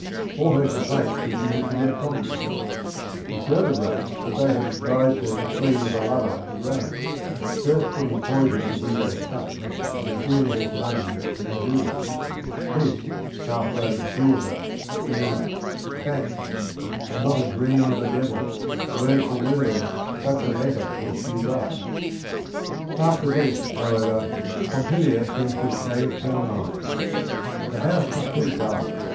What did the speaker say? All her complaints were due to their promptings. She furth er wrote that the y had advised her to flee with a lover to Rome, first putting poison in (juido's cup and stealing his money and jewels. This Hah itome assures us is f'Fact ..., and not a dream o' the devil ... Word for word, such a letter did she write." 32 THE RING AND THE BOOK After this, however, Pompilia seems to have changed her mind. The house was too dull.